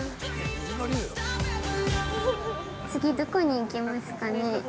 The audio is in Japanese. ◆次どこに行きますかね。